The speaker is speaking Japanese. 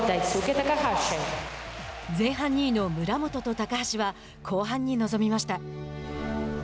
前半２位の村元と高橋は後半に臨みました。